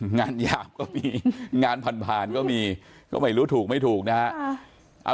หยาบก็มีงานผ่านก็มีก็ไม่รู้ถูกไม่ถูกนะฮะ